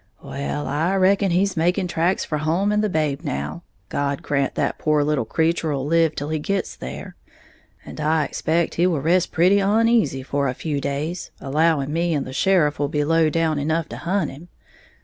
"Well, I reckon he's making tracks for home and the babe now God grant the pore little creetur'll live till he gits there and I expect he will rest pretty oneasy for a few days, allowing me and the sheriff will be low down enough to hunt him.